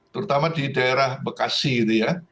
terutama di daerah bekasi gitu ya